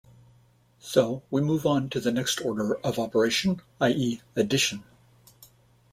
So we move on to the next order of operation, i.e., addition.